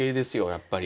やっぱり。